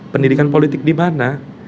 pendidikan politik dimana